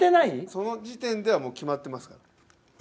その時点ではもう決まってます。